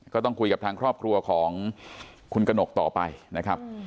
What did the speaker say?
ก็ต้องคุยกับทางครอบครัวของคุณกระหนกต่อไปนะครับ